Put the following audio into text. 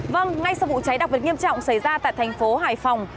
vâng ngay sau vụ cháy đặc biệt nghiêm trọng xảy ra tại thành phố hải phòng